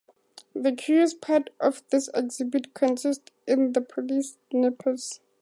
The curious part of this exhibit consisted in the police nippers.